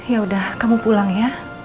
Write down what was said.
yaudah kamu pulang ya